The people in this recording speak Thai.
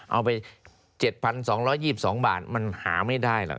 เอาไป๗๒๒๒บาทมันหาไม่ได้หรอก